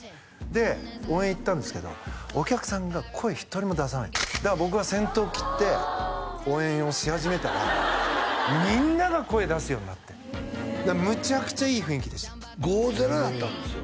で応援行ったんですけどお客さんが声１人も出さないだから僕が先頭を切って応援をし始めたらみんなが声出すようになってむちゃくちゃいい雰囲気でした５−０だったんですよ